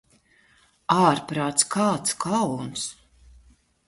Ārprāts, kāds kauns!